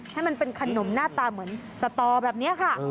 ให้มันเป็นขนมหน้าตาเหมือนสตอแบบนี้ค่ะ